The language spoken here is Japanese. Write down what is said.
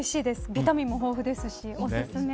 ビタミンも豊富ですしおすすめ。